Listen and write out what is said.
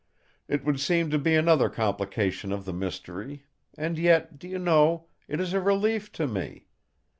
It would seem to be another complication of the mystery; and yet, do you know, it is a relief to me.